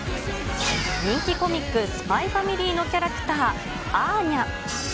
人気コミック、スパイファミリーのキャラクター、アーニャ。